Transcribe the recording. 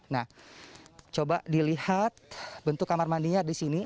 nah coba dilihat bentuk kamar mandinya di sini